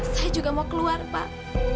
saya juga mau keluar pak